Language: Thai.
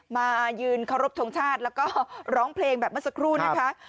มายืนเคารพทงชาติแล้วก็ร้องเพลงแบบเมื่อสักครู่นะคะ